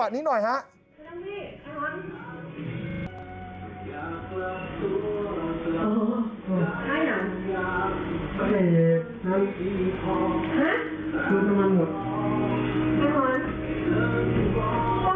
ครับคุณแม่งพี่คุณแม่งพี่